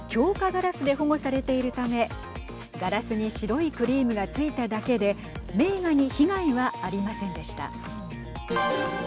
ガラスで保護されているためガラスに白いクリームがついただけで名画に被害はありませんでした。